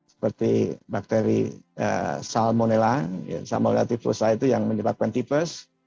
seperti bakteri salmonella salmonella typhus itu yang menyebabkan typhus